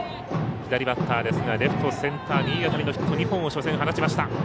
左バッターですがレフトセンターにいい当たりのヒット２本を初戦放ちました。